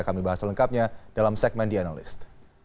kami bahas selengkapnya dalam segmen the analyst